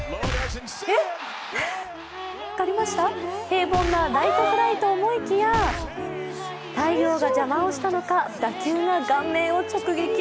平凡なライトフライと思いきや太陽が邪魔をしたのか打球が顔面を直撃。